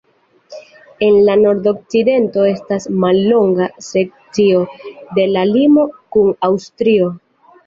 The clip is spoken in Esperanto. En la nordokcidento estas mallonga sekcio de la limo kun Aŭstrio.